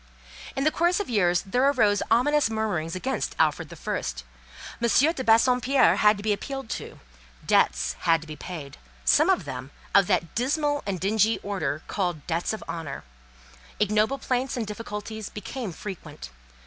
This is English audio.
In the course of years there arose ominous murmurings against Alfred the First; M. de Bassompierre had to be appealed to, debts had to be paid, some of them of that dismal and dingy order called "debts of honour;" ignoble plaints and difficulties became frequent.